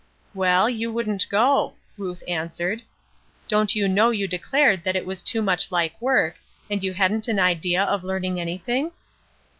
"Well, you wouldn't go," Ruth answered. "Don't you know you declared that was too much like work, and you hadn't an idea of learning anything?"